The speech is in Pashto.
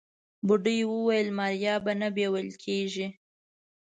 بوډۍ وويل ماريا به نه بيول کيږي.